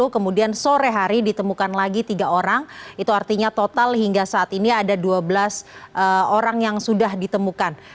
kemudian sore hari ditemukan lagi tiga orang itu artinya total hingga saat ini ada dua belas orang yang sudah ditemukan